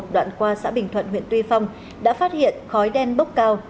đoạn qua xã bình thuận huyện tuy phong đã phát hiện khói đen bốc cao